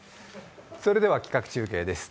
それでは企画中継です。